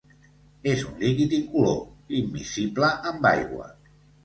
És un líquid incolor, immiscible amb aigua.